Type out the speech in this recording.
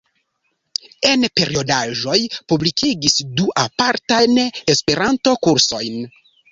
En periodaĵoj publikigis du apartajn E-kursojn.